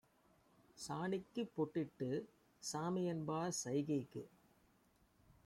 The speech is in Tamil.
சாணிக்குப் பொட்டிட்டுச் சாமிஎன்பார் செய்கைக்கு